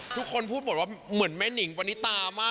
ทุกคนพูดหมดว่าเหมือนแม่นิงปณิตามาก